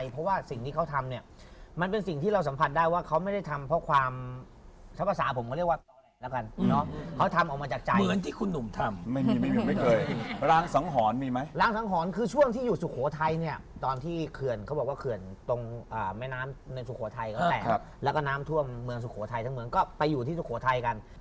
คือในเรื่องคือบุคลิกที่เรารู้สึกว่าเราประทับใจ